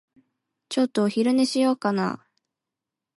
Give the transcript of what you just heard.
ちょっとお昼寝しようかな。